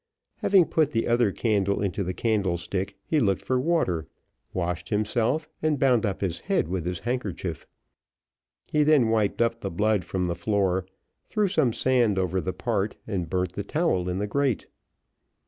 Having put the other candle into the candlestick, he looked for water, washed himself, and bound up his head with his handkerchief. He then wiped up the blood from the floor, threw some sand over the part, and burnt the towel in the grate.